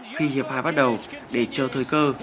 khi hiệp hai bắt đầu để chờ thời cơ